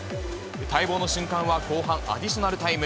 待望の瞬間は後半アディショナルタイム。